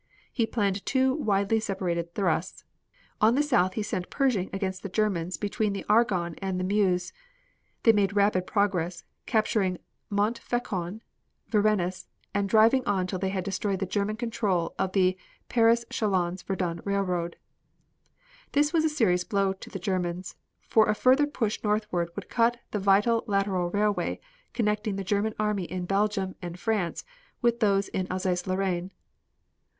He planned two widely separated thrusts. On the south he sent Pershing against the Germans between the Argonne and the Meuse. They made rapid progress, capturing Montfaucon, Varennes and driving on until they had destroyed the German control of the Paris Chalons Verdun Railroad. This was a serious blow to the Germans, for a further push northward would cut the vital lateral railway connecting the German armies in Belgium and France with those in Alsace Lorraine.